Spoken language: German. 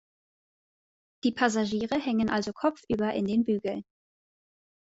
Die Passagiere hängen also kopfüber in den Bügeln.